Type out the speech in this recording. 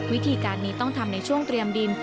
วิธีการนี้ต้องทำในช่วงเตรียมดิน